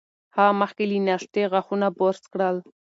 هغه مخکې له ناشتې غاښونه برس کړل.